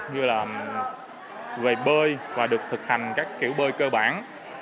như là về bơi và được thực hành các kiểu bơi cơ bản